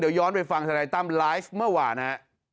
เดี๋ยวย้อนไปฟังธนายตั้มไลฟ์เมื่อวานฮะ